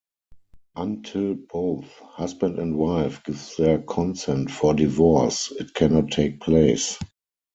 Until both husband and wife give their consent for divorce, it cannot take place.